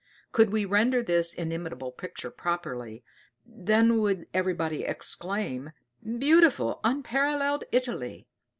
Could we render this inimitable picture properly, then would everybody exclaim, "Beautiful, unparalleled Italy!"